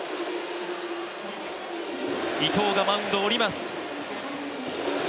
伊藤がマウンドを下ります。